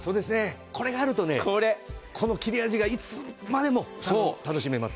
これがあるとこの切れ味がいつまでも楽しめます。